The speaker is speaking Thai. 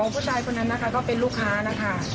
ผู้ชายคนนั้นนะคะก็เป็นลูกค้านะคะ